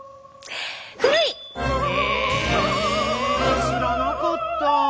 へえ知らなかった。